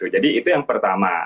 jadi itu yang pertama